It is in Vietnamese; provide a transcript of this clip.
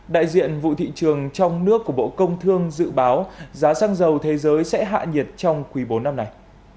đại diện vụ thị trường trong nước của bộ công thương dự báo giá xăng dầu thế giới sẽ hạ nhiệt trong quý bốn năm nay